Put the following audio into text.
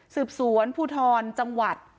สืบสวนภูทรจังหวัด